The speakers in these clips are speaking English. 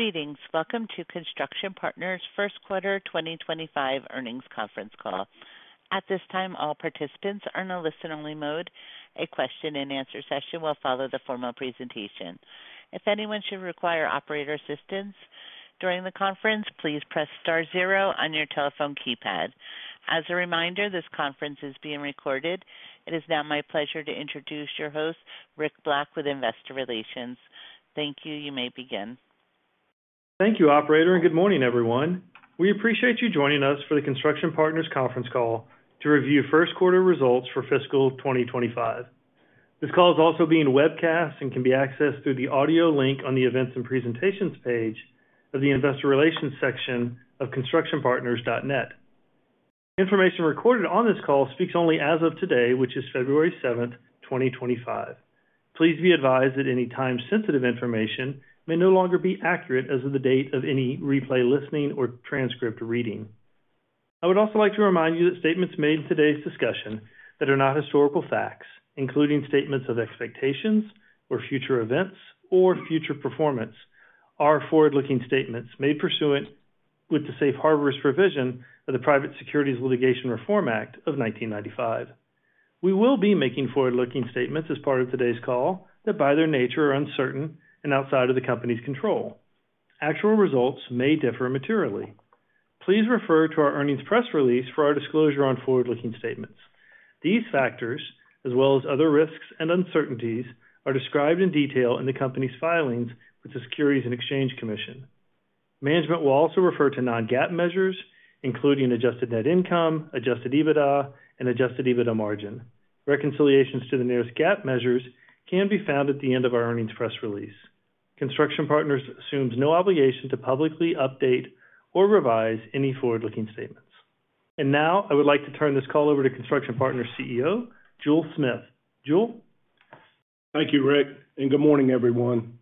Greetings. Welcome to Construction Partners' first quarter 2025 earnings conference call. At this time, all participants are in a listen-only mode. A question-and-answer session will follow the formal presentation. If anyone should require operator assistance during the conference, please press star zero on your telephone keypad. As a reminder, this conference is being recorded. It is now my pleasure to introduce your host, Rick Black, with Investor Relations. Thank you. You may begin. Thank you, operator, and good morning, everyone. We appreciate you joining us for the Construction Partners conference call to review first quarter results for fiscal 2025. This call is also being webcast and can be accessed through the audio link on the events and presentations page of the Investor Relations section of constructionpartners.net. Information recorded on this call speaks only as of today, which is February 7th, 2025. Please be advised that any time-sensitive information may no longer be accurate as of the date of any replay listening or transcript reading. I would also like to remind you that statements made in today's discussion that are not historical facts, including statements of expectations or future events or future performance, are forward-looking statements made pursuant with the safe harbor provisions of the Private Securities Litigation Reform Act of 1995. We will be making forward-looking statements as part of today's call that, by their nature, are uncertain and outside of the company's control. Actual results may differ materially. Please refer to our earnings press release for our disclosure on forward-looking statements. These factors, as well as other risks and uncertainties, are described in detail in the company's filings with the Securities and Exchange Commission. Management will also refer to non-GAAP measures, including adjusted net income, adjusted EBITDA, and adjusted EBITDA margin. Reconciliations to the nearest GAAP measures can be found at the end of our earnings press release. Construction Partners assumes no obligation to publicly update or revise any forward-looking statements. And now I would like to turn this call over to Construction Partners CEO, Jule Smith. Jule? Thank you, Rick, and good morning, everyone.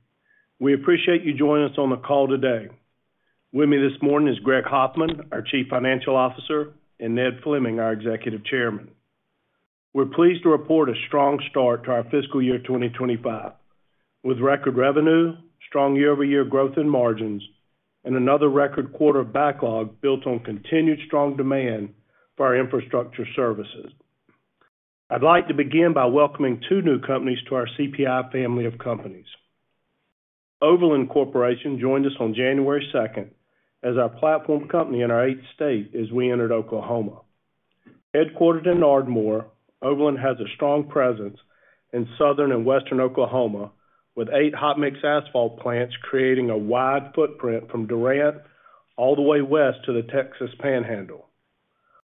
We appreciate you joining us on the call today. With me this morning is Greg Hoffman, our Chief Financial Officer, and Ned Fleming, our Executive Chairman. We're pleased to report a strong start to our fiscal year 2025 with record revenue, strong year-over-year growth in margins, and another record quarter backlog built on continued strong demand for our infrastructure services. I'd like to begin by welcoming two new companies to our CPI family of companies. Overland Corporation joined us on January 2nd as our platform company in our eighth state as we entered Oklahoma. Headquartered in Ardmore, Overland has a strong presence in southern and western Oklahoma with eight hot-mix asphalt plants creating a wide footprint from Durant all the way west to the Texas Panhandle.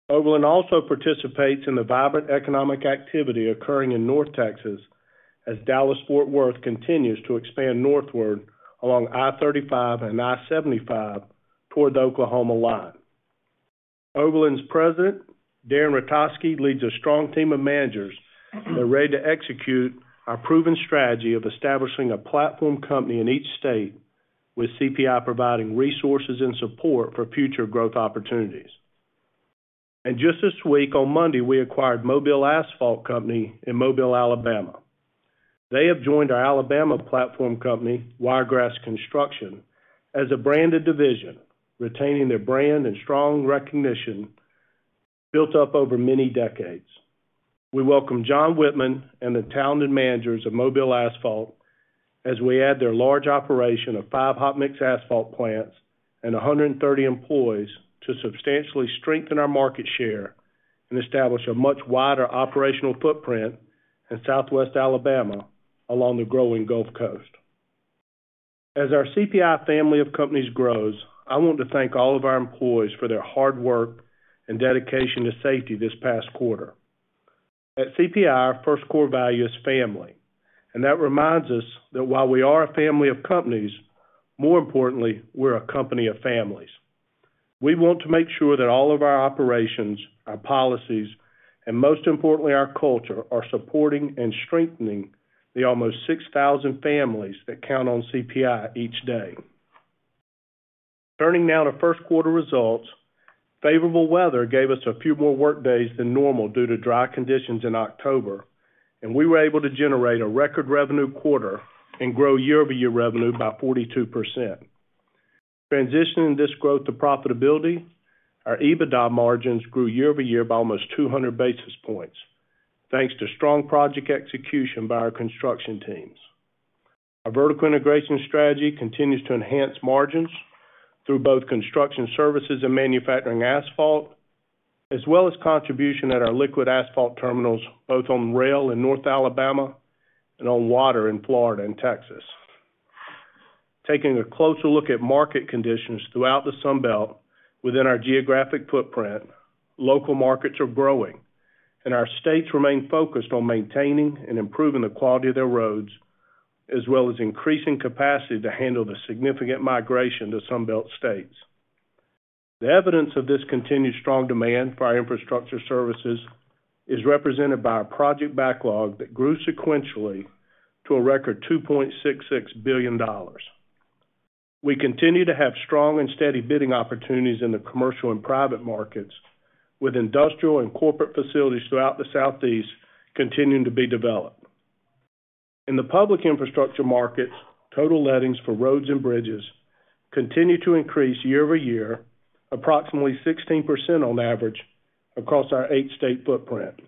Overland also participates in the vibrant economic activity occurring in North Texas as Dallas-Fort Worth continues to expand northward along I-35 and US 75 toward the Oklahoma line. Overland's president, Darren Ratajski, leads a strong team of managers that are ready to execute our proven strategy of establishing a platform company in each state, with CPI providing resources and support for future growth opportunities. Just this week, on Monday, we acquired Mobile Asphalt Company in Mobile, Alabama. They have joined our Alabama platform company, Wiregrass Construction, as a branded division, retaining their brand and strong recognition built up over many decades. We welcome John Whitman and the talented managers of Mobile Asphalt as we add their large operation of five hot-mix asphalt plants and 130 employees to substantially strengthen our market share and establish a much wider operational footprint in southwest Alabama along the growing Gulf Coast. As our CPI family of companies grows, I want to thank all of our employees for their hard work and dedication to safety this past quarter. At CPI, our first core value is family, and that reminds us that while we are a family of companies, more importantly, we're a company of families. We want to make sure that all of our operations, our policies, and most importantly, our culture are supporting and strengthening the almost 6,000 families that count on CPI each day. Turning now to first quarter results, favorable weather gave us a few more workdays than normal due to dry conditions in October, and we were able to generate a record revenue quarter and grow year-over-year revenue by 42%. Transitioning this growth to profitability, our EBITDA margins grew year-over-year by almost 200 basis points, thanks to strong project execution by our construction teams. Our vertical integration strategy continues to enhance margins through both construction services and manufacturing asphalt, as well as contribution at our liquid asphalt terminals, both on rail in North Alabama and on water in Florida and Texas. Taking a closer look at market conditions throughout the Sunbelt within our geographic footprint, local markets are growing, and our states remain focused on maintaining and improving the quality of their roads, as well as increasing capacity to handle the significant migration to Sunbelt states. The evidence of this continued strong demand for our infrastructure services is represented by a project backlog that grew sequentially to a record $2.66 billion. We continue to have strong and steady bidding opportunities in the commercial and private markets, with industrial and corporate facilities throughout the Southeast continuing to be developed. In the public infrastructure markets, total lettings for roads and bridges continue to increase year-over-year, approximately 16% on average across our eight-state footprint.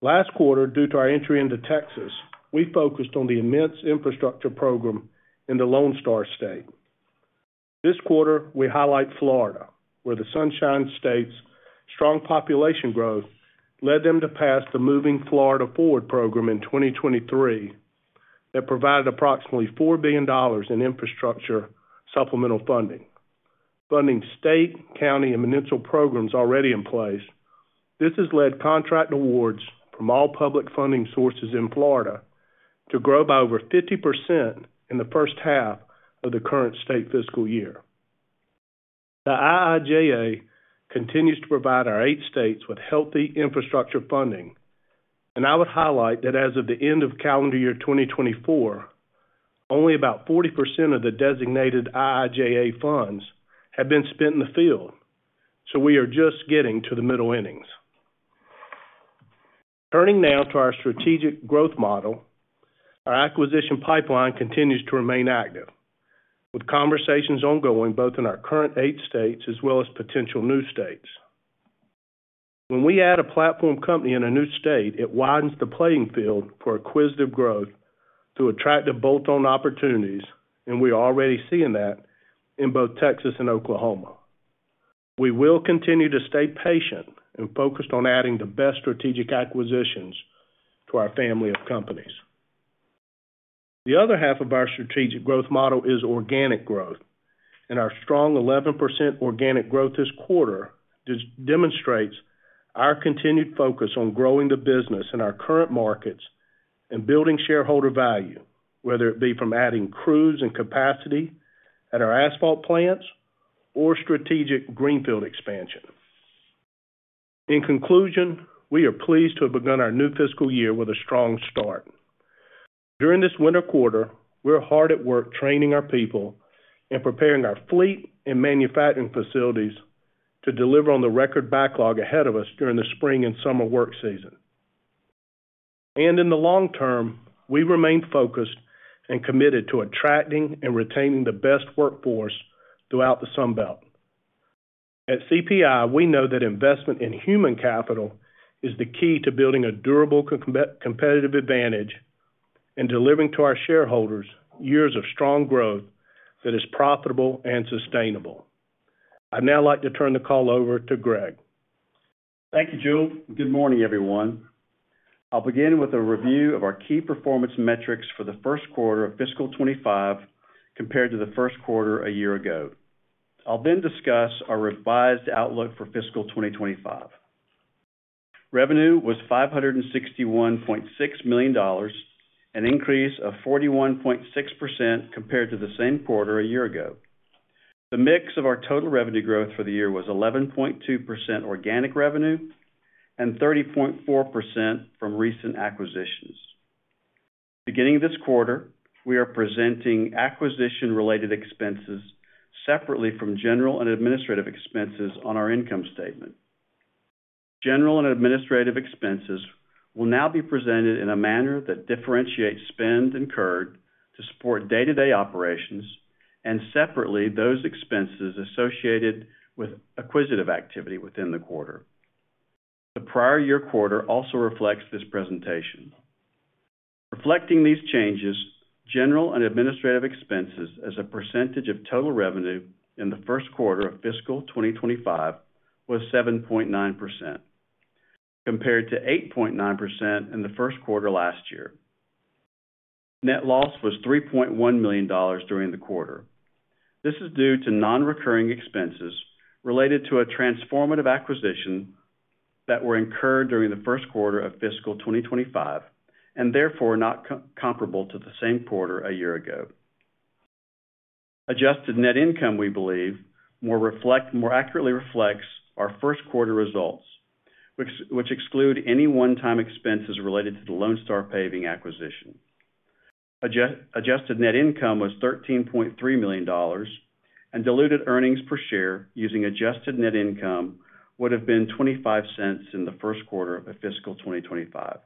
Last quarter, due to our entry into Texas, we focused on the immense infrastructure program in the Lone Star State. This quarter, we highlight Florida, where the Sunshine State's strong population growth led them to pass the Moving Florida Forward program in 2023 that provided approximately $4 billion in infrastructure supplemental funding. Funding state, county, and municipal programs already in place, this has led contract awards from all public funding sources in Florida to grow by over 50% in the first half of the current state fiscal year. The IIJA continues to provide our eight states with healthy infrastructure funding, and I would highlight that as of the end of calendar year 2024, only about 40% of the designated IIJA funds have been spent in the field, so we are just getting to the middle innings. Turning now to our strategic growth model, our acquisition pipeline continues to remain active, with conversations ongoing both in our current eight states as well as potential new states. When we add a platform company in a new state, it widens the playing field for acquisitive growth to attract a bolt-on opportunities, and we are already seeing that in both Texas and Oklahoma. We will continue to stay patient and focused on adding the best strategic acquisitions to our family of companies. The other half of our strategic growth model is organic growth, and our strong 11% organic growth this quarter demonstrates our continued focus on growing the business in our current markets and building shareholder value, whether it be from adding crews and capacity at our asphalt plants or strategic greenfield expansion. In conclusion, we are pleased to have begun our new fiscal year with a strong start. During this winter quarter, we're hard at work training our people and preparing our fleet and manufacturing facilities to deliver on the record backlog ahead of us during the spring and summer work season. And in the long term, we remain focused and committed to attracting and retaining the best workforce throughout the Sunbelt. At CPI, we know that investment in human capital is the key to building a durable competitive advantage and delivering to our shareholders years of strong growth that is profitable and sustainable. I'd now like to turn the call over to Greg. Thank you, Jule. Good morning, everyone. I'll begin with a review of our key performance metrics for the first quarter of fiscal 2025 compared to the first quarter a year ago. I'll then discuss our revised outlook for fiscal 2025. Revenue was $561.6 million, an increase of 41.6% compared to the same quarter a year ago. The mix of our total revenue growth for the year was 11.2% organic revenue and 30.4% from recent acquisitions. Beginning this quarter, we are presenting acquisition-related expenses separately from general and administrative expenses on our income statement. General and administrative expenses will now be presented in a manner that differentiates spend incurred to support day-to-day operations and separately those expenses associated with acquisitive activity within the quarter. The prior year quarter also reflects this presentation. Reflecting these changes, general and administrative expenses as a percentage of total revenue in the first quarter of fiscal 2025 was 7.9%, compared to 8.9% in the first quarter last year. Net loss was $3.1 million during the quarter. This is due to non-recurring expenses related to a transformative acquisition that were incurred during the first quarter of fiscal 2025 and therefore not comparable to the same quarter a year ago. Adjusted net income, we believe, more accurately reflects our first quarter results, which exclude any one-time expenses related to the Lone Star Paving acquisition. Adjusted net income was $13.3 million, and diluted earnings per share using adjusted net income would have been $0.25 in the first quarter of fiscal 2025.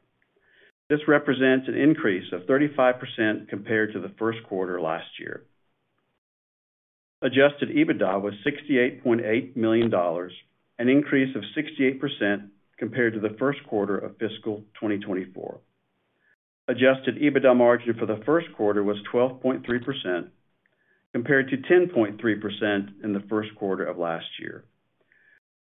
This represents an increase of 35% compared to the first quarter last year. Adjusted EBITDA was $68.8 million, an increase of 68% compared to the first quarter of fiscal 2024. Adjusted EBITDA margin for the first quarter was 12.3%, compared to 10.3% in the first quarter of last year.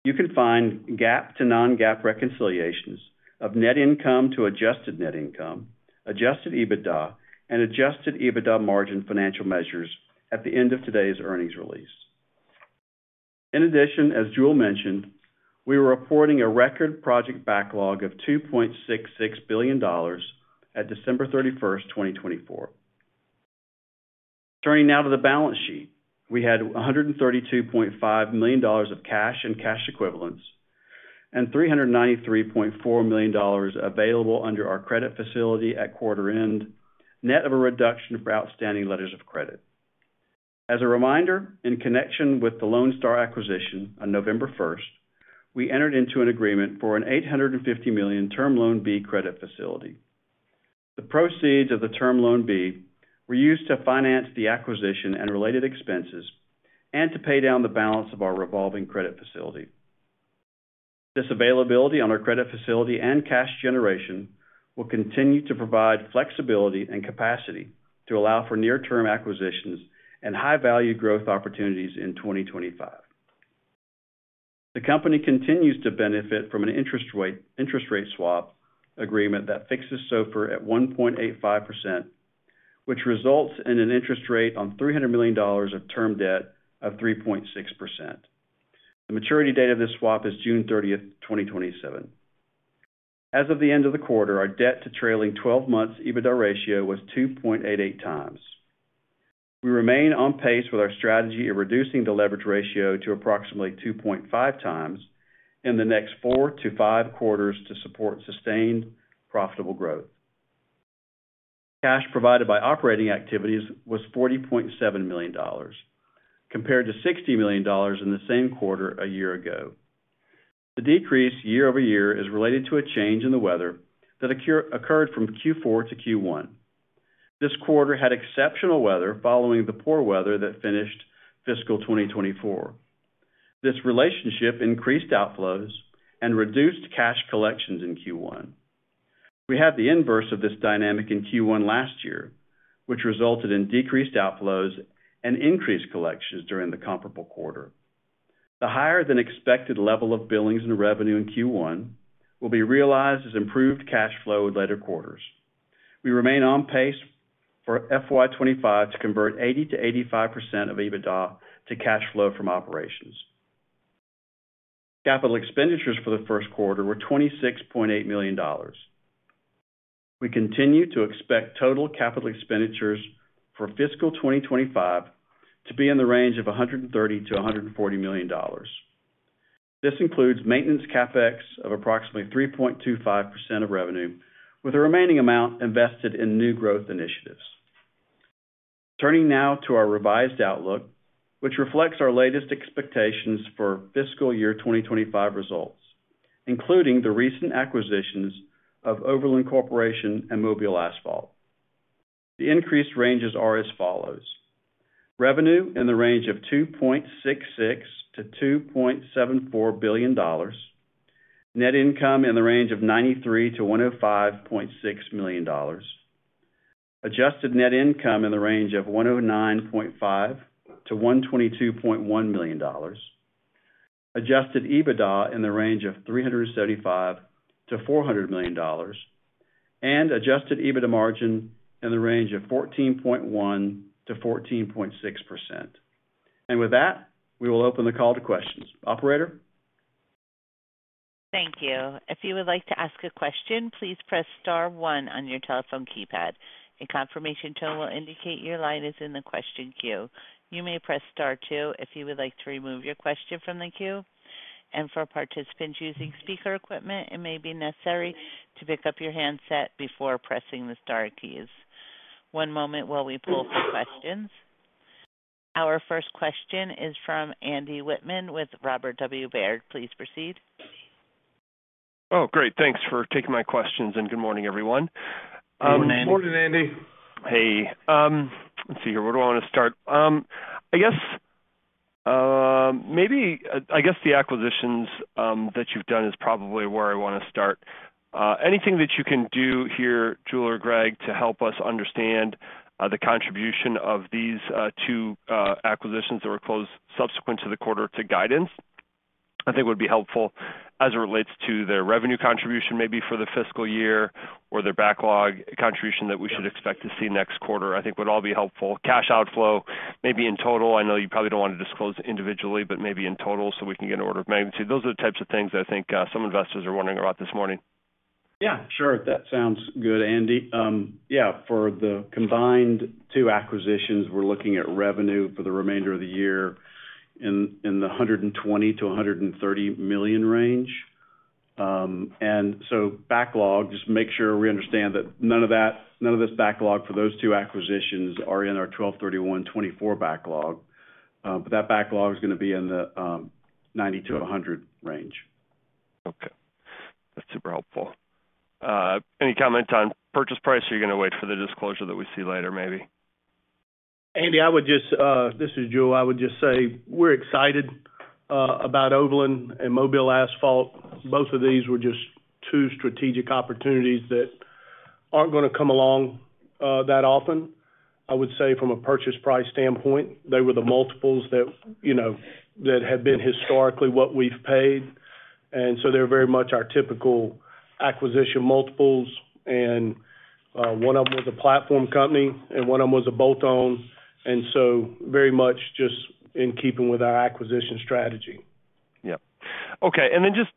You can find GAAP to non-GAAP reconciliations of net income to adjusted net income, adjusted EBITDA, and adjusted EBITDA margin financial measures at the end of today's earnings release. In addition, as Jule mentioned, we were reporting a record project backlog of $2.66 billion at December 31st, 2024. Turning now to the balance sheet, we had $132.5 million of cash and cash equivalents and $393.4 million available under our credit facility at quarter-end, net of a reduction for outstanding letters of credit. As a reminder, in connection with the Lone Star acquisition on November 1st, we entered into an agreement for an $850 million Term Loan B credit facility. The proceeds of the Term Loan B were used to finance the acquisition and related expenses and to pay down the balance of our revolving credit facility. This availability on our credit facility and cash generation will continue to provide flexibility and capacity to allow for near-term acquisitions and high-value growth opportunities in 2025. The company continues to benefit from an interest rate swap agreement that fixes SOFR at 1.85%, which results in an interest rate on $300 million of term debt of 3.6%. The maturity date of this swap is June 30th, 2027. As of the end of the quarter, our debt-to-trailing 12-month EBITDA ratio was 2.88x. We remain on pace with our strategy of reducing the leverage ratio to approximately 2.5x in the next four to five quarters to support sustained profitable growth. Cash provided by operating activities was $40.7 million, compared to $60 million in the same quarter a year ago. The decrease year-over-year is related to a change in the weather that occurred from Q4 to Q1. This quarter had exceptional weather following the poor weather that finished fiscal 2024. This relationship increased outflows and reduced cash collections in Q1. We had the inverse of this dynamic in Q1 last year, which resulted in decreased outflows and increased collections during the comparable quarter. The higher-than-expected level of billings and revenue in Q1 will be realized as improved cash flow in later quarters. We remain on pace for FY 2025 to convert 80%-85% of EBITDA to cash flow from operations. Capital expenditures for the first quarter were $26.8 million. We continue to expect total capital expenditures for fiscal 2025 to be in the range of $130 million-$140 million. This includes Maintenance CapEx of approximately 3.25% of revenue, with the remaining amount invested in new growth initiatives. Turning now to our revised outlook, which reflects our latest expectations for fiscal year 2025 results, including the recent acquisitions of Overland Corporation and Mobile Asphalt. The increased ranges are as follows: revenue in the range of $2.66 billion-$2.74 billion, net income in the range of $93 million-$105.6 million, adjusted net income in the range of $109.5 million-$122.1 million, Adjusted EBITDA in the range of $375 million-$400 million, and Adjusted EBITDA margin in the range of 14.1%-14.6%. And with that, we will open the call to questions. Operator? Thank you. If you would like to ask a question, please press star one on your telephone keypad. A confirmation tone will indicate your line is in the question queue. You may press star two if you would like to remove your question from the queue. And for participants using speaker equipment, it may be necessary to pick up your handset before pressing the star keys. One moment while we pull up the questions. Our first question is from Andy Wittmann with Robert W. Baird. Please proceed. Oh, great. Thanks for taking my questions, and good morning, everyone. Good morning, Andy. Hey. Let's see here. Where do I want to start? I guess the acquisitions that you've done is probably where I want to start. Anything that you can do here, Jule or Greg, to help us understand the contribution of these two acquisitions that were closed subsequent to the quarter to guidance, I think would be helpful as it relates to their revenue contribution maybe for the fiscal year or their backlog contribution that we should expect to see next quarter, I think would all be helpful. Cash outflow, maybe in total. I know you probably don't want to disclose individually, but maybe in total so we can get an order of magnitude. Those are the types of things that I think some investors are wondering about this morning. Yeah, sure. That sounds good, Andy. Yeah, for the combined two acquisitions, we're looking at revenue for the remainder of the year in the $120 million-$130 million range. And so backlog, just make sure we understand that none of this backlog for those two acquisitions are in our 12/31/2024 backlog, but that backlog is going to be in the $90 million-$100 million range. Okay. That's super helpful. Any comments on purchase price or are you going to wait for the disclosure that we see later maybe? Andy, this is Jule. I would just say we're excited about Overland and Mobile Asphalt. Both of these were just two strategic opportunities that aren't going to come along that often. I would say from a purchase price standpoint, they were the multiples that have been historically what we've paid. And so they're very much our typical acquisition multiples, and one of them was a platform company, and one of them was a bolt-on. And so very much just in keeping with our acquisition strategy. Yep. Okay. And then just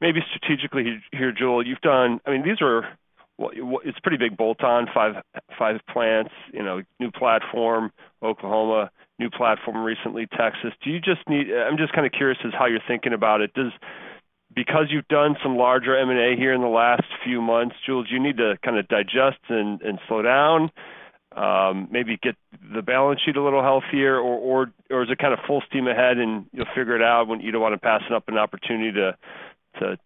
maybe strategically here, Jule, you've done. I mean, it's a pretty big bolt-on, five plants, new platform, Oklahoma, new platform recently, Texas. Do you just need? I'm just kind of curious as to how you're thinking about it. Because you've done some larger M&A here in the last few months, Jule, do you need to kind of digest and slow down, maybe get the balance sheet a little healthier, or is it kind of full steam ahead and you'll figure it out when you don't want to pass it up an opportunity to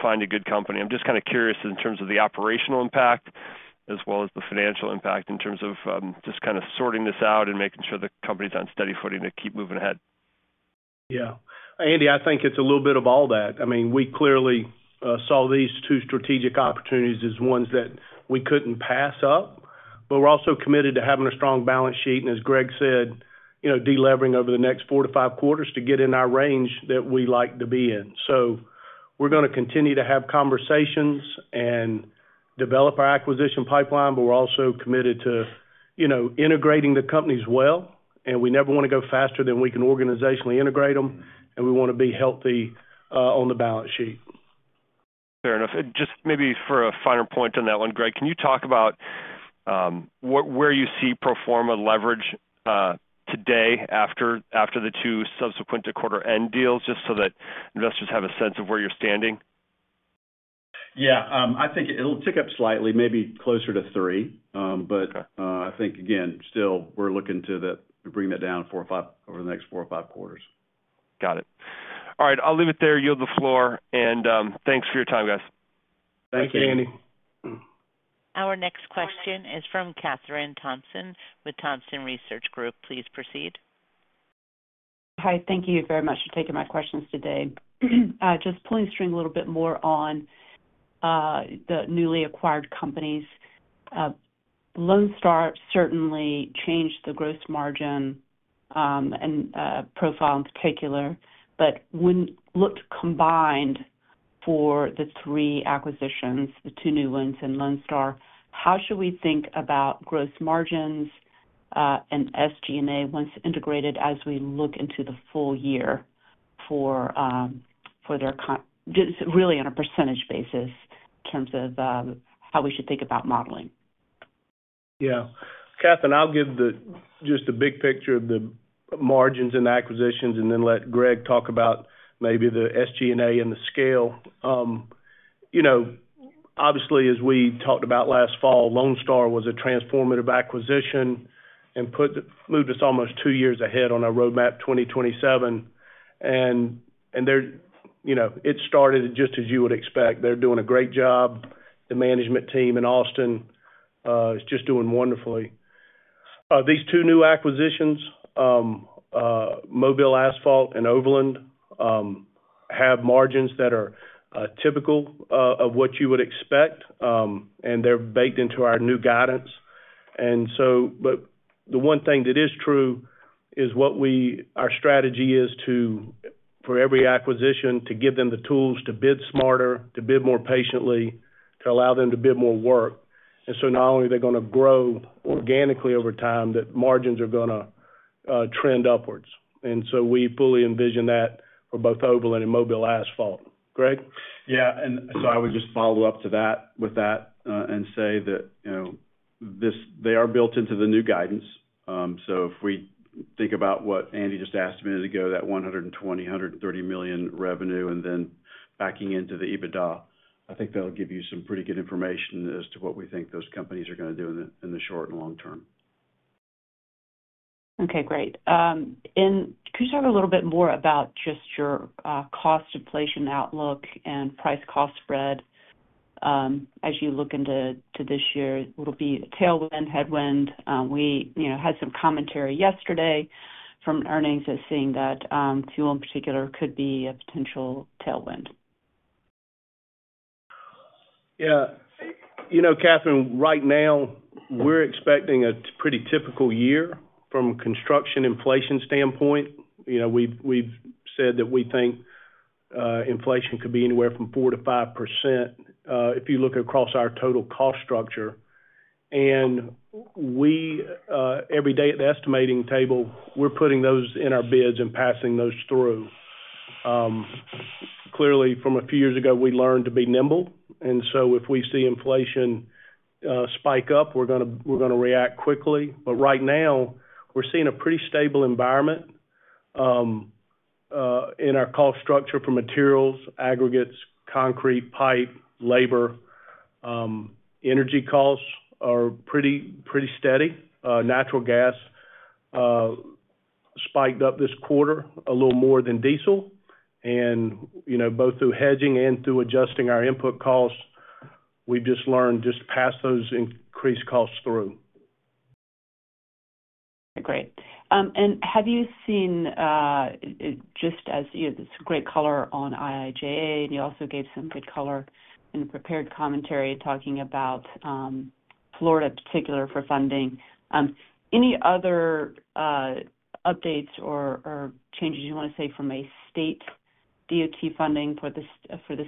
find a good company? I'm just kind of curious in terms of the operational impact as well as the financial impact in terms of just kind of sorting this out and making sure the company's on steady footing to keep moving ahead. Yeah. Andy, I think it's a little bit of all that. I mean, we clearly saw these two strategic opportunities as ones that we couldn't pass up, but we're also committed to having a strong balance sheet and, as Greg said, delivering over the next four to five quarters to get in our range that we like to be in. So we're going to continue to have conversations and develop our acquisition pipeline, but we're also committed to integrating the companies well. And we never want to go faster than we can organizationally integrate them, and we want to be healthy on the balance sheet. Fair enough. And just maybe for a finer point on that one, Greg, can you talk about where you see pro forma leverage today after the two subsequent to quarter-end deals, just so that investors have a sense of where you're standing? Yeah. I think it'll tick up slightly, maybe closer to three, but I think, again, still, we're looking to bring that down over the next four or five quarters. Got it. All right. I'll leave it there. You have the floor, and thanks for your time, guys. Thank you, Andy. Our next question is from Kathryn Thompson with Thompson Research Group. Please proceed. Hi. Thank you very much for taking my questions today. Just pulling the string a little bit more on the newly acquired companies. Lone Star certainly changed the gross margin and profile in particular, but when looked combined for the three acquisitions, the two new ones and Lone Star, how should we think about gross margins and SG&A once integrated as we look into the full year for there, really, on a percentage basis in terms of how we should think about modeling? Yeah. Kathryn, I'll give just the big picture of the margins and acquisitions and then let Greg talk about maybe the SG&A and the scale. Obviously, as we talked about last fall, Lone Star was a transformative acquisition and moved us almost two years ahead on our roadmap 2027. It started just as you would expect. They're doing a great job. The management team in Austin is just doing wonderfully. These two new acquisitions, Mobile Asphalt and Overland, have margins that are typical of what you would expect, and they're baked into our new guidance. The one thing that is true is our strategy is for every acquisition to give them the tools to bid smarter, to bid more patiently, to allow them to bid more work. Not only are they going to grow organically over time, but margins are going to trend upwards. And so we fully envision that for both Overland and Mobile Asphalt. Greg? Yeah, and so I would just follow up with that and say that they are built into the new guidance, so if we think about what Andy just asked a minute ago, that $120 million-$130 million revenue, and then backing into the EBITDA, I think that'll give you some pretty good information as to what we think those companies are going to do in the short and long term. Okay. Great. And could you talk a little bit more about just your cost inflation outlook and price-cost spread as you look into this year? It'll be a tailwind, headwind. We had some commentary yesterday from earnings as seeing that too in particular could be a potential tailwind. Yeah. Kathryn, right now, we're expecting a pretty typical year from a construction inflation standpoint. We've said that we think inflation could be anywhere from 4%-5% if you look across our total cost structure. And every day at the estimating table, we're putting those in our bids and passing those through. Clearly, from a few years ago, we learned to be nimble. And so if we see inflation spike up, we're going to react quickly. But right now, we're seeing a pretty stable environment in our cost structure for materials, aggregates, concrete, pipe, labor. Energy costs are pretty steady. Natural gas spiked up this quarter a little more than diesel. And both through hedging and through adjusting our input costs, we've just learned just to pass those increased costs through. Okay. Great. And have you seen just as you had this great color on IIJA, and you also gave some good color in the prepared commentary talking about Florida in particular for funding? Any other updates or changes you want to say from a state DOT funding for the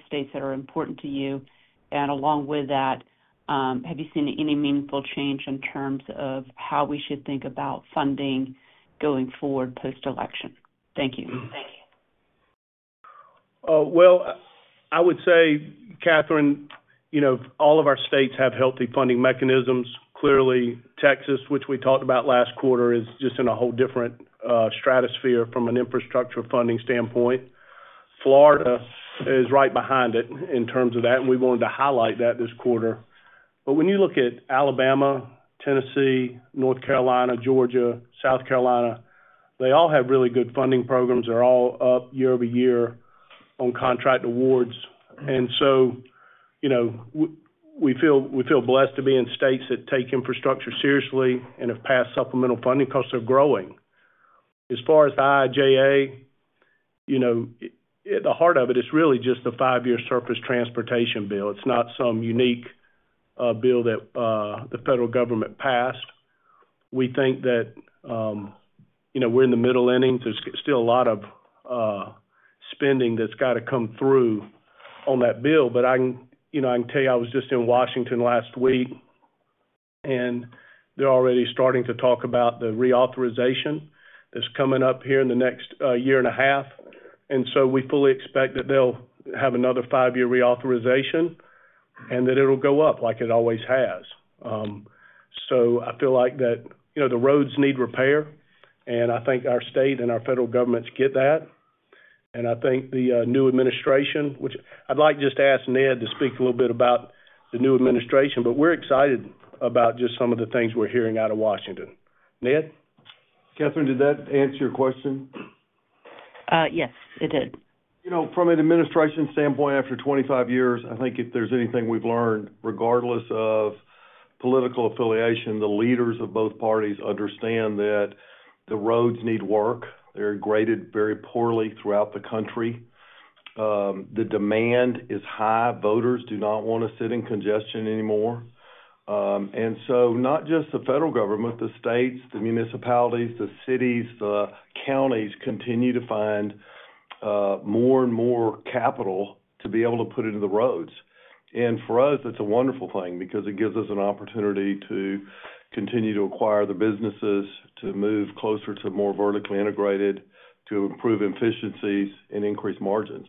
states that are important to you? And along with that, have you seen any meaningful change in terms of how we should think about funding going forward post-election? Thank you. Thank you. Well, I would say, Kathryn, all of our states have healthy funding mechanisms. Clearly, Texas, which we talked about last quarter, is just in a whole different stratosphere from an infrastructure funding standpoint. Florida is right behind it in terms of that, and we wanted to highlight that this quarter. But when you look at Alabama, Tennessee, North Carolina, Georgia, South Carolina, they all have really good funding programs. They're all up year-over-year on contract awards. And so we feel blessed to be in states that take infrastructure seriously and have passed supplemental funding because they're growing. As far as the IIJA, at the heart of it, it's really just the five-year surface transportation bill. It's not some unique bill that the federal government passed. We think that we're in the middle innings. There's still a lot of spending that's got to come through on that bill, but I can tell you I was just in Washington last week, and they're already starting to talk about the reauthorization that's coming up here in the next year and a half, and so we fully expect that they'll have another five-year reauthorization and that it'll go up like it always has, so I feel like that the roads need repair, and I think our state and our federal governments get that, and I think the new administration, I'd like just to ask Ned to speak a little bit about the new administration, but we're excited about just some of the things we're hearing out of Washington. Ned? Kathryn, did that answer your question? Yes, it did. From an administration standpoint, after 25 years, I think if there's anything we've learned, regardless of political affiliation, the leaders of both parties understand that the roads need work. They're graded very poorly throughout the country. The demand is high. Voters do not want to sit in congestion anymore. And so not just the federal government, the states, the municipalities, the cities, the counties continue to find more and more capital to be able to put into the roads. And for us, that's a wonderful thing because it gives us an opportunity to continue to acquire the businesses, to move closer to more vertically integrated, to improve efficiencies, and increase margins.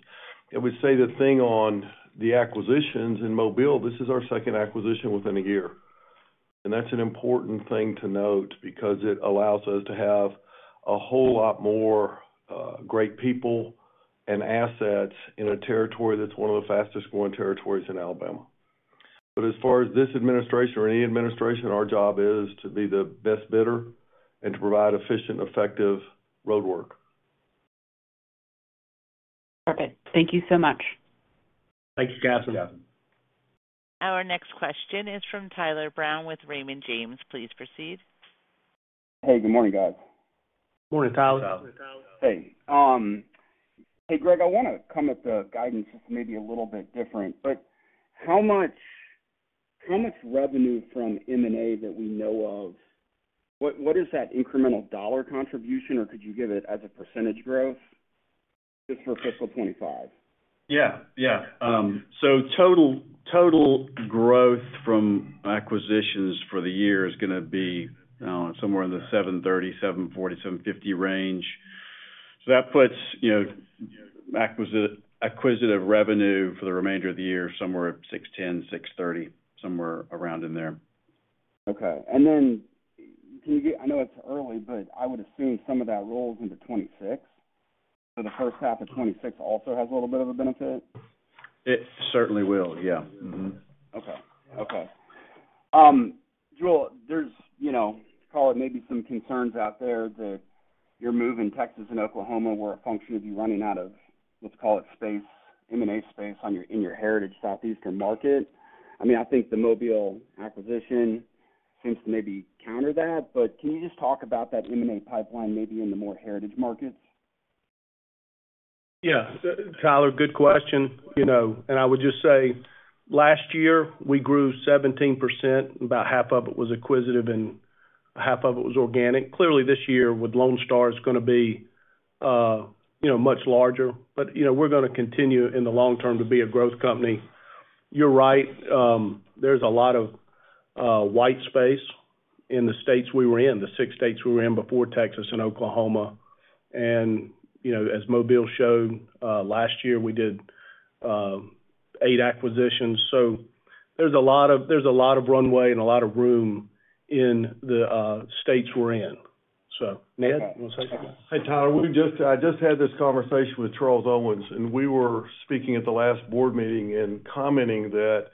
I would say the thing on the acquisitions in Mobile, this is our second acquisition within a year. And that's an important thing to note because it allows us to have a whole lot more great people and assets in a territory that's one of the fastest-growing territories in Alabama. But as far as this administration or any administration, our job is to be the best bidder and to provide efficient, effective roadwork. Perfect. Thank you so much. Thank you, Kathryn. Our next question is from Tyler Brown with Raymond James. Please proceed. Hey, good morning, guys. Morning, Tyler. Hey. Hey, Greg, I want to come at the guidance just maybe a little bit different. But how much revenue from M&A that we know of, what is that incremental dollar contribution, or could you give it as a percentage growth just for fiscal 2025? So total growth from acquisitions for the year is going to be somewhere in the 730-750 range. So that puts acquisitive revenue for the remainder of the year somewhere at 610-630, somewhere around in there. Okay, and then can you get? I know it's early, but I would assume some of that rolls into 2026. So the first half of 2026 also has a little bit of a benefit? It certainly will. Yeah. Okay. Okay. Jule, there's call it maybe some concerns out there that you're moving to Texas and Oklahoma as a function of you running out of, let's call it, space, M&A space in your heritage southeastern market. I mean, I think the Mobile acquisition seems to maybe counter that. But can you just talk about that M&A pipeline maybe in the more heritage markets? Yeah. Tyler, good question. And I would just say last year, we grew 17%. About half of it was acquisitive and half of it was organic. Clearly, this year with Lone Star is going to be much larger, but we're going to continue in the long term to be a growth company. You're right. There's a lot of white space in the states we were in, the six states we were in before Texas and Oklahoma. And as Mobile showed last year, we did eight acquisitions. So there's a lot of runway and a lot of room in the states we're in. So Ned, you want to say something? Hey, Tyler. I just had this conversation with Charles Owens, and we were speaking at the last board meeting and commenting that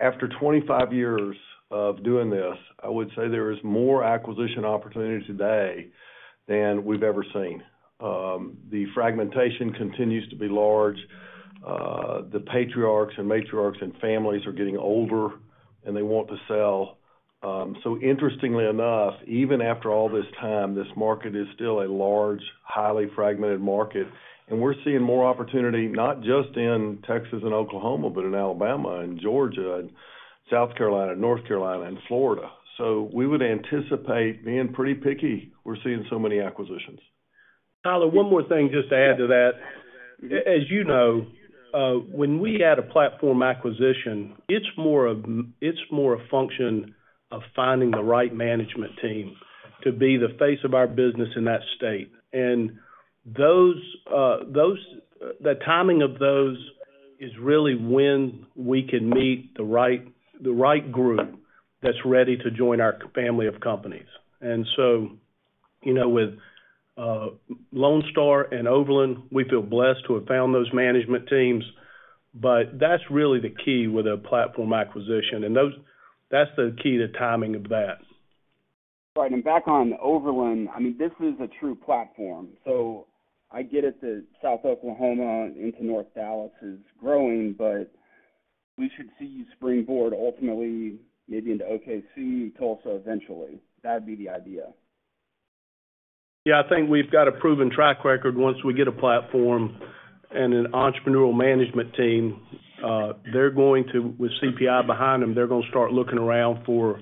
after 25 years of doing this, I would say there is more acquisition opportunity today than we've ever seen. The fragmentation continues to be large. The patriarchs and matriarchs and families are getting older, and they want to sell. So interestingly enough, even after all this time, this market is still a large, highly fragmented market. And we're seeing more opportunity not just in Texas and Oklahoma, but in Alabama and Georgia and South Carolina and North Carolina and Florida. So we would anticipate being pretty picky. We're seeing so many acquisitions. Tyler, one more thing just to add to that. As you know, when we had a platform acquisition, it's more a function of finding the right management team to be the face of our business in that state. And the timing of those is really when we can meet the right group that's ready to join our family of companies. And so with Lone Star and Overland, we feel blessed to have found those management teams. But that's really the key with a platform acquisition, and that's the key to timing of that. That's right. And back on Overland, I mean, this is a true platform. So I get it that South Oklahoma into North Dallas is growing, but we should see you springboard ultimately maybe into OKC, Tulsa eventually. That'd be the idea. Yeah. I think we've got a proven track record. Once we get a platform and an entrepreneurial management team, they're going to, with CPI behind them, they're going to start looking around for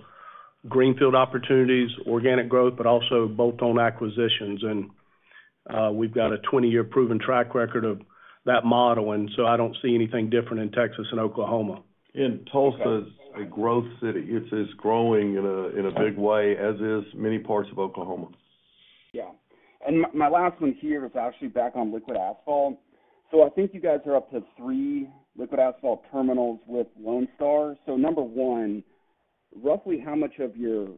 greenfield opportunities, organic growth, but also bolt-on acquisitions. And we've got a 20-year proven track record of that model. And so I don't see anything different in Texas and Oklahoma. And Tulsa is a growth city. It's growing in a big way, as is many parts of Oklahoma. Yeah. And my last one here is actually back on liquid asphalt. So I think you guys are up to three liquid asphalt terminals with Lone Star. So number one, roughly how much of your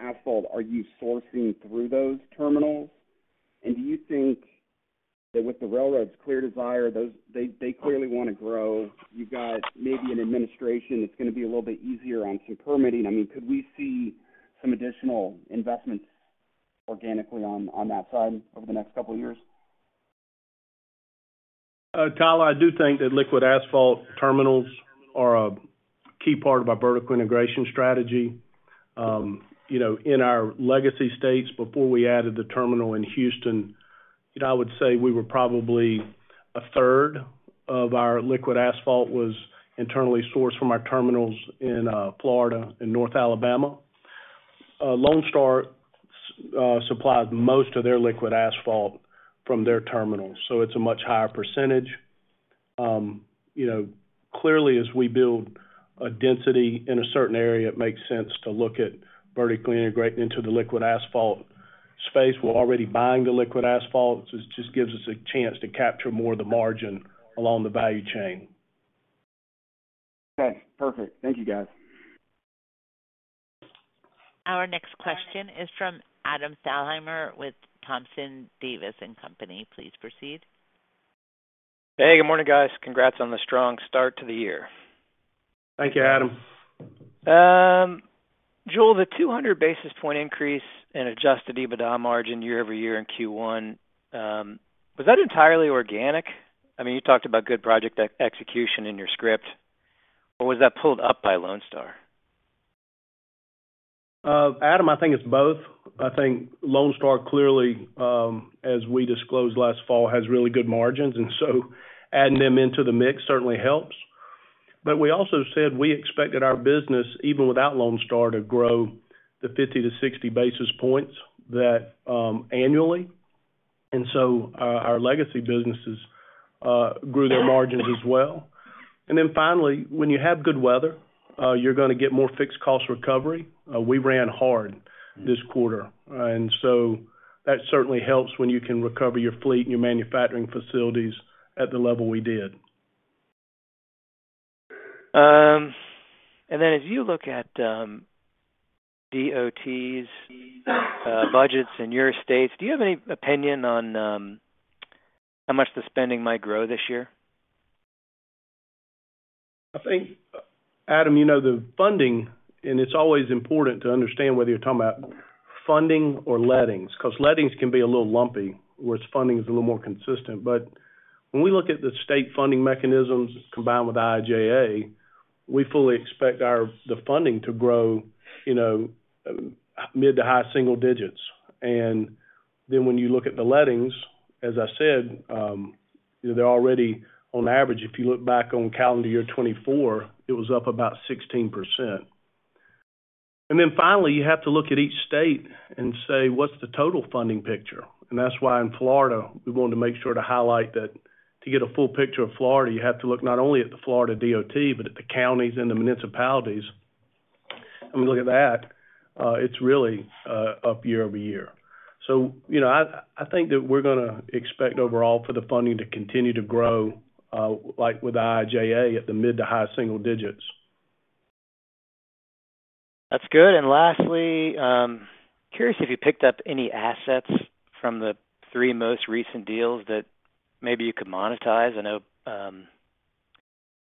asphalt are you sourcing through those terminals? And do you think that with the railroads, they clearly want to grow? You've got maybe an administration that's going to be a little bit easier on some permitting. I mean, could we see some additional investments organically on that side over the next couple of years? Tyler, I do think that liquid asphalt terminals are a key part of our vertical integration strategy. In our legacy states, before we added the terminal in Houston, I would say we were probably a third of our liquid asphalt was internally sourced from our terminals in Florida and North Alabama. Lone Star supplies most of their liquid asphalt from their terminals. So it's a much higher percentage. Clearly, as we build a density in a certain area, it makes sense to look at vertically integrating into the liquid asphalt space. We're already buying the liquid asphalt. It just gives us a chance to capture more of the margin along the value chain. Okay. Perfect. Thank you, guys. Our next question is from Adam Thalhimer with Thompson Davis & Company. Please proceed. Hey, good morning, guys. Congrats on the strong start to the year. Thank you, Adam. Jule, the 200 basis point increase in adjusted EBITDA margin year over year in Q1, was that entirely organic? I mean, you talked about good project execution in your script. Or was that pulled up by Lone Star? Adam, I think it's both. I think Lone Star clearly, as we disclosed last fall, has really good margins. And so adding them into the mix certainly helps. But we also said we expected our business, even without Lone Star, to grow the 50 basis points-60 basis points annually. And so our legacy businesses grew their margins as well. And then finally, when you have good weather, you're going to get more fixed cost recovery. We ran hard this quarter. And so that certainly helps when you can recover your fleet and your manufacturing facilities at the level we did. Then as you look at DOT's budgets in your states, do you have any opinion on how much the spending might grow this year? I think, Adam, the funding, and it's always important to understand whether you're talking about funding or lettings because lettings can be a little lumpy where funding is a little more consistent. But when we look at the state funding mechanisms combined with IIJA, we fully expect the funding to grow mid- to high-single digits. Then when you look at the lettings, as I said, they're already on average. If you look back on calendar year 2024, it was up about 16%. Then finally, you have to look at each state and say, "What's the total funding picture?" That's why in Florida, we wanted to make sure to highlight that to get a full picture of Florida, you have to look not only at the Florida DOT, but at the counties and the municipalities. When you look at that, it's really up year-over-year. I think that we're going to expect overall for the funding to continue to grow with IIJA at the mid- to high-single digits. That's good. And lastly, curious if you picked up any assets from the three most recent deals that maybe you could monetize? I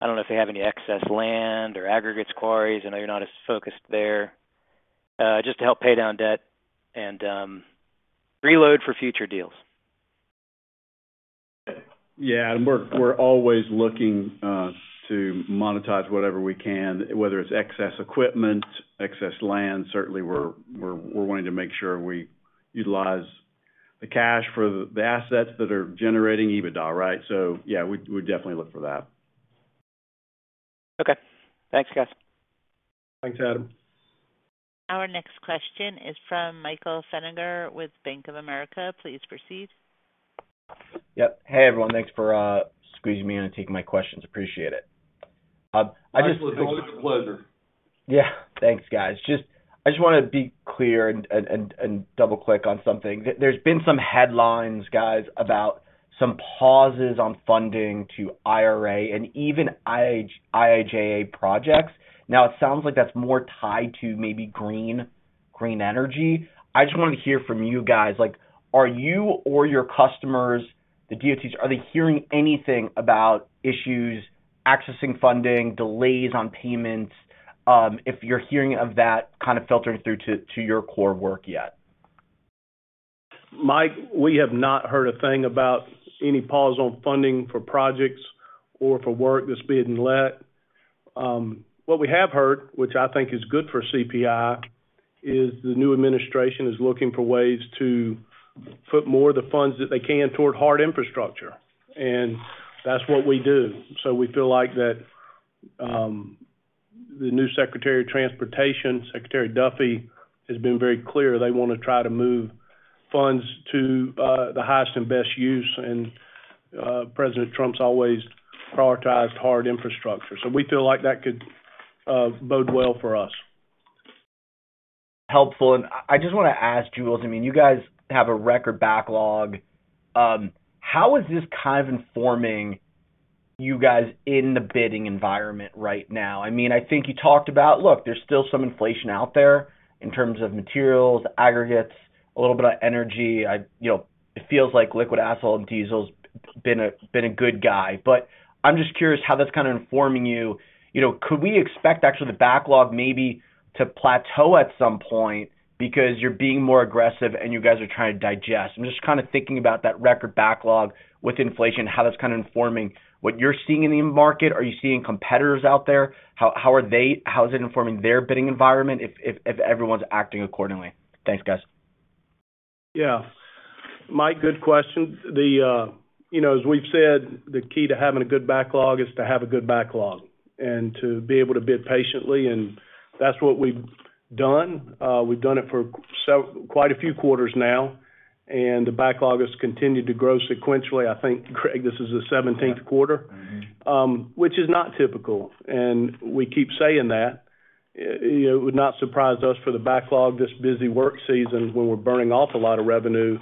don't know if they have any excess land or aggregates quarries. I know you're not as focused there. Just to help pay down debt and reload for future deals. Yeah. We're always looking to monetize whatever we can, whether it's excess equipment, excess land. Certainly, we're wanting to make sure we utilize the cash for the assets that are generating EBITDA, right? So yeah, we definitely look for that. Okay. Thanks, guys. Thanks, Adam. Our next question is from Michael Feniger with Bank of America. Please proceed. Yep. Hey, everyone. Thanks for squeezing me in and taking my questions. Appreciate it. Absolutely. Pleasure. Yeah. Thanks, guys. I just want to be clear and double-click on something. There's been some headlines, guys, about some pauses on funding to IRA and even IIJA projects. Now, it sounds like that's more tied to maybe green energy. I just wanted to hear from you guys. Are you or your customers, the DOTs, are they hearing anything about issues accessing funding, delays on payments? If you're hearing of that kind of filtering through to your core work yet? Mike, we have not heard a thing about any pause on funding for projects or for work that's being let. What we have heard, which I think is good for CPI, is the new administration is looking for ways to put more of the funds that they can toward hard infrastructure, and that's what we do, so we feel like that the new Secretary of Transportation, Secretary Duffy, has been very clear they want to try to move funds to the highest and best use, and President Trump's always prioritized hard infrastructure, so we feel like that could bode well for us. Helpful. And I just want to ask, Jule, I mean, you guys have a record backlog. How is this kind of informing you guys in the bidding environment right now? I mean, I think you talked about, look, there's still some inflation out there in terms of materials, aggregates, a little bit of energy. It feels like liquid asphalt and diesel's been a good guy. But I'm just curious how that's kind of informing you. Could we expect actually the backlog maybe to plateau at some point because you're being more aggressive and you guys are trying to digest? I'm just kind of thinking about that record backlog with inflation, how that's kind of informing what you're seeing in the market. Are you seeing competitors out there? How is it informing their bidding environment if everyone's acting accordingly? Thanks, guys. Yeah. Mike, good question. As we've said, the key to having a good backlog is to have a good backlog and to be able to bid patiently. And that's what we've done. We've done it for quite a few quarters now. And the backlog has continued to grow sequentially. I think, Greg, this is the 17th quarter, which is not typical. And we keep saying that. It would not surprise us for the backlog this busy work season when we're burning off a lot of revenue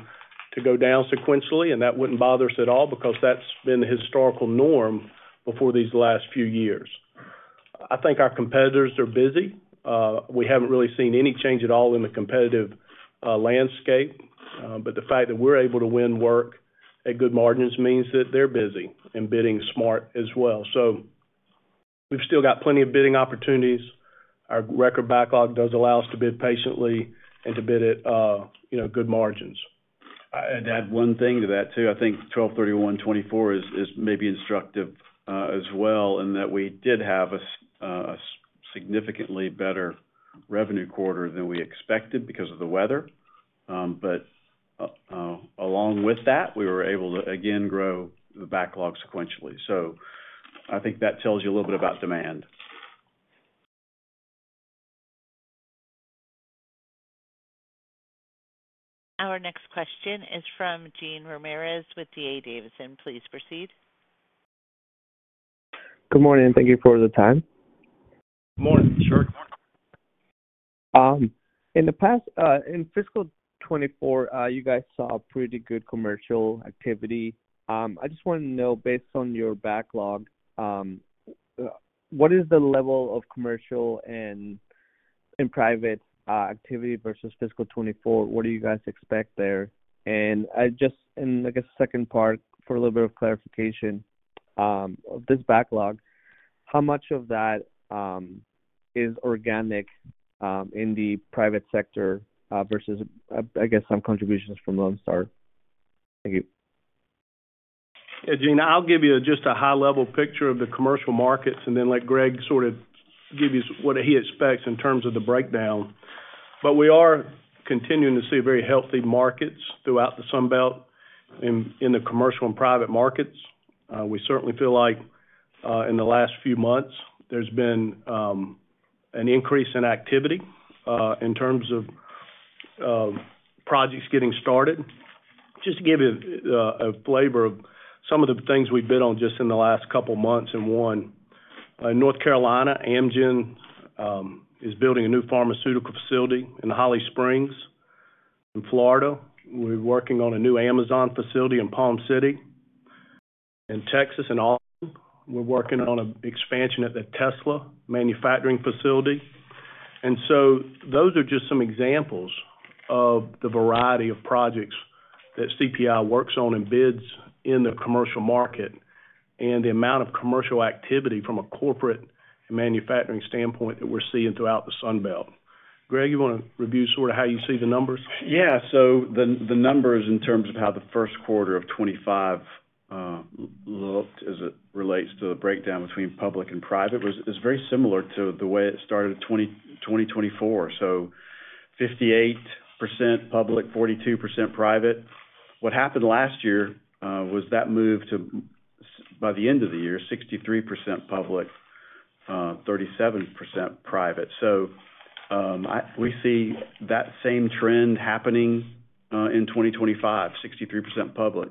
to go down sequentially. And that wouldn't bother us at all because that's been the historical norm before these last few years. I think our competitors are busy. We haven't really seen any change at all in the competitive landscape. But the fact that we're able to win work at good margins means that they're busy and bidding smart as well. So we've still got plenty of bidding opportunities. Our record backlog does allow us to bid patiently and to bid at good margins. I'd add one thing to that too. I think 12/31/2024 is maybe instructive as well in that we did have a significantly better revenue quarter than we expected because of the weather. But along with that, we were able to, again, grow the backlog sequentially. So I think that tells you a little bit about demand. Our next question is from Jean Ramirez with D.A. Davidson. Please proceed. Good morning. Thank you for the time. Morning. Sure. In fiscal 2024, you guys saw pretty good commercial activity. I just wanted to know, based on your backlog, what is the level of commercial and private activity versus fiscal 2024? What do you guys expect there? And I guess second part, for a little bit of clarification, of this backlog, how much of that is organic in the private sector versus, I guess, some contributions from Lone Star? Thank you. Yeah. Jean, I'll give you just a high-level picture of the commercial markets and then let Greg sort of give you what he expects in terms of the breakdown. But we are continuing to see very healthy markets throughout the Sunbelt in the commercial and private markets. We certainly feel like in the last few months, there's been an increase in activity in terms of projects getting started. Just to give you a flavor of some of the things we've bid on just in the last couple of months and one, in North Carolina, Amgen is building a new pharmaceutical facility in Holly Springs. In Florida, we're working on a new Amazon facility in Palm City. In Texas and Austin, we're working on an expansion at the Tesla manufacturing facility. And so those are just some examples of the variety of projects that CPI works on and bids in the commercial market and the amount of commercial activity from a corporate and manufacturing standpoint that we're seeing throughout the Sunbelt. Greg, you want to review sort of how you see the numbers? Yeah. So the numbers in terms of how the first quarter of 2025 looked as it relates to the breakdown between public and private is very similar to the way it started in 2024. So 58% public, 42% private. What happened last year was that moved to, by the end of the year, 63% public, 37% private. So we see that same trend happening in 2025, 63% public.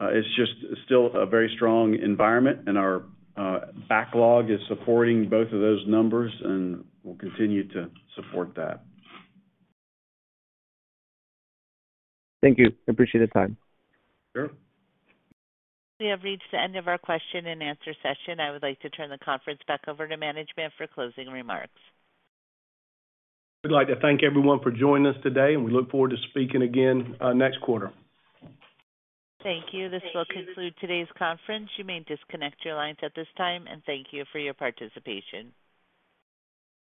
It's just still a very strong environment, and our backlog is supporting both of those numbers and will continue to support that. Thank you. Appreciate the time. Sure. We have reached the end of our question and answer session. I would like to turn the conference back over to management for closing remarks. We'd like to thank everyone for joining us today, and we look forward to speaking again next quarter. Thank you. This will conclude today's conference. You may disconnect your lines at this time, and thank you for your participation.